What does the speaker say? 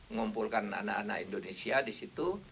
mengumpulkan anak anak indonesia di situ